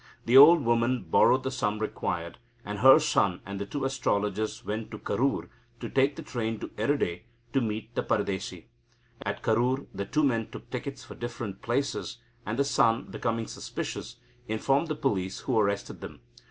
The old woman borrowed the sum required, and her son and the two astrologers went to Karur to take the train to Erode, to meet the paradesi. At Karur the two men took tickets for different places, and the son, becoming suspicious, informed the police, who arrested them.